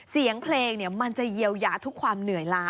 เสียงเพลงมันจะเยียวยาทุกความเหนื่อยล้า